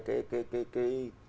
cái cái cái